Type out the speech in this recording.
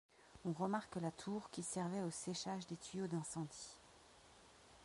On remarque la tour qui servait au séchage des tuyaux d'incendie.